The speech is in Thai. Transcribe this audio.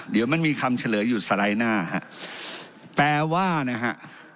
เดี๋ยวมันมีคำเฉลยอยู่สไลด์หน้าฮะแปลว่านะฮะ